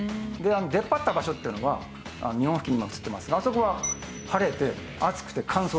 出っ張った場所っていうのが日本付近今映ってますがあそこは晴れて暑くて乾燥するんですよ。